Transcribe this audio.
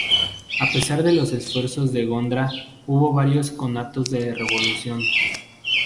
A pesar de los esfuerzos de Gondra, hubo varios conatos de revolución.